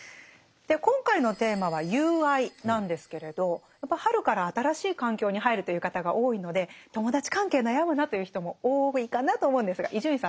今回のテーマは「友愛」なんですけれどやっぱ春から新しい環境に入るという方が多いので友達関係悩むなという人も多いかなと思うんですが伊集院さんどうですか？